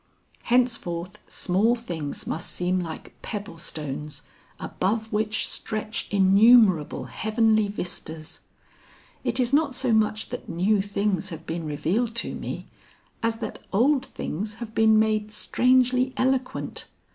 Henceforth small things must seem like pebble stones above which stretch innumerable heavenly vistas. It is not so much that new things have been revealed to me as that old things have been made strangely eloquent.